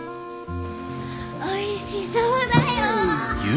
おいしそうだよ。